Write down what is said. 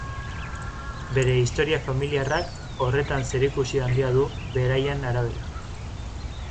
Bere historia familiarrak horretan zerikusi handia du beraien arabera.